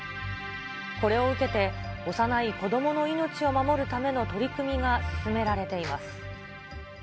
これを受け、幼い子どもの命を守るための取り組みが進められています。